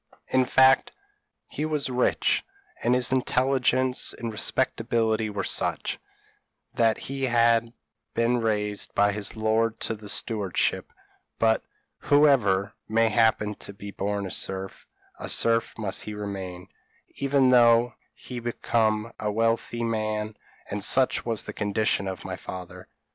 In fact, he was rich and his intelligence and respectability were such, that he had been raised by his lord to the stewardship; but, whoever may happen to be born a serf, a serf must he remain, even though he become a wealthy man: and such was the condition of my father.